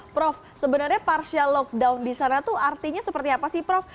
prof sebenarnya partial lockdown di sana itu artinya seperti apa sih prof